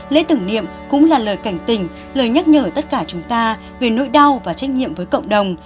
lễ tưởng niệm cũng là lời cảnh tình lời nhắc nhở tất cả chúng ta về nỗi đau và trách nhiệm với cộng đồng